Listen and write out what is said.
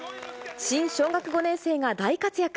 新小学５年生が大活躍。